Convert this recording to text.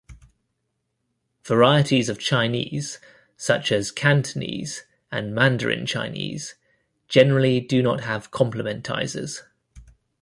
Varieties of Chinese, such as Cantonese and Mandarin Chinese, generally do not have complementizers.